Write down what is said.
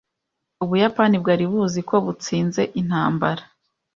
Ubuyapani bwari buzi ko butsinze intambara.